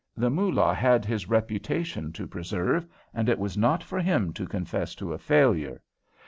The Moolah had his reputation to preserve, and it was not for him to confess to a failure.